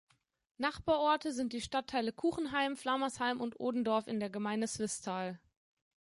Nachbarorte sind die Stadtteile Kuchenheim, Flamersheim und Odendorf in der Gemeinde Swisttal.